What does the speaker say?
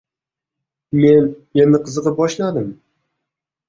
Men endi qizib boshladim.